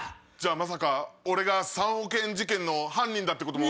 まさか俺が３億円事件の犯人だってことも。